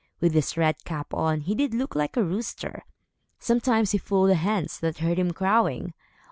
With his red cap on, he did look like a rooster. Sometimes he fooled the hens, that heard him crowing.